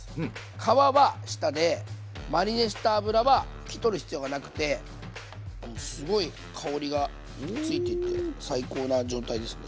皮は下でマリネした油は拭き取る必要がなくてすごい香りがついていて最高な状態ですね。